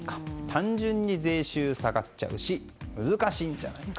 単純に税収下がっちゃうし難しいんじゃないか。